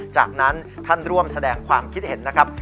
จากนั้นท่านร่วมแสดงความคิดเห็นนะครับ